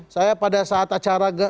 saya pada saat acara